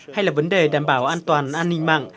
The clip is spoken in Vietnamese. hay là vấn đề đảm bảo an toàn an ninh mạng